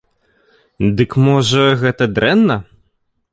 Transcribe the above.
Дык, можа, гэта дрэнна?